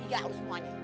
iya harus semuanya